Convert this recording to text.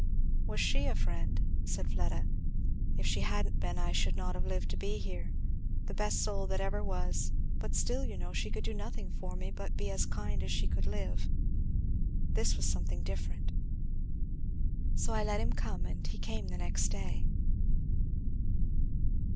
"Was she a friend?" said Fleda. "If she hadn't been I should not have lived to be here the best soul that ever was; but still, you know, she could do nothing for me but be as kind as she could live; this was something different. So I let him come, and he came the next day."